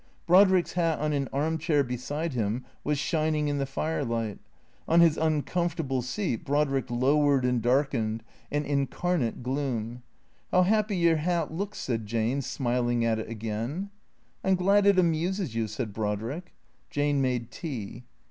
Brodrick's hat on an arm chair beside him was shining in the firelight. On his uncomfortable seat Brodrick lowered and darkened, an incarnate gloom. " How happy your hat looks," said Jane, smiling at it again. " I 'm glad it amuses you," said Brodrick. Jane made tea.